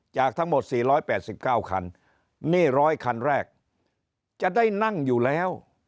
จากทั้งหมด๔๘๙คันนี่๑๐๐คันแรกจะได้นั่งอยู่แล้ว